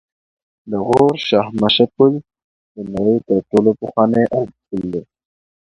د غور شاهمشه پل د نړۍ تر ټولو پخوانی آرک پل دی